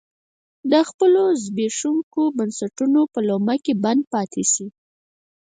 د خپلو زبېښونکو بنسټونو په لومه کې بند پاتې شي.